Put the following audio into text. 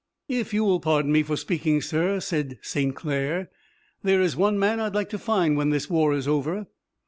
"If you will pardon me for speaking, sir," said St. Clair, "there is one man I'd like to find, when this war is over."